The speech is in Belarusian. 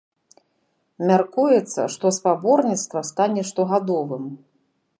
Мяркуецца, што спаборніцтва стане штогадовым.